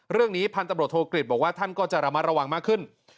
พันธุ์ตำรวจโทกฤษบอกว่าท่านก็จะระมัดระวังมากขึ้น